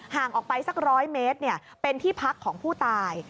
ห่างออกไปสัก๑๐๐เมตรเป็นที่พักของผู้ตาย